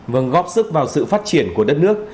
vâng góp sức vào sự phát triển của đất nước